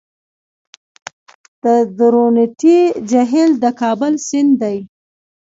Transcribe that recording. د درونټې جهیل د کابل سیند دی